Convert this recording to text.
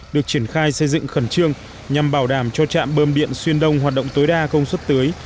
được triển khai xây dựng khẩn trương nhằm bảo đảm cho trạm bơm biện xuyên đông hoạt động tối đa công suất tưới